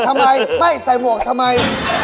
ทำไมไม่ใส่หมวกทำไม